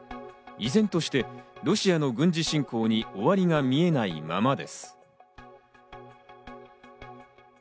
依然としてロシアの軍事侵攻に終わりが見えないままです。